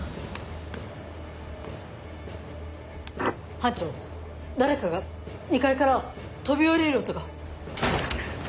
・班長誰かが２階から飛び降りる音が。